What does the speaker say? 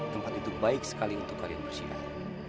tempat itu baik sekali untuk kalian bersihkan